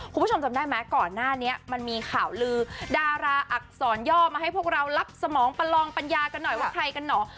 คุณผู้ชมจำได้ไหมก่อนหน้านี้มันมีข่าวลือดาราอักษรย่อมาให้พวกเรารับสมองประลองปัญญากันหน่อยว่าใครกันหนอ